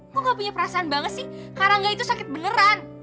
lo gak punya perasaan banget sih karangga itu sakit beneran